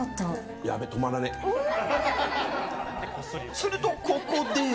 すると、ここで。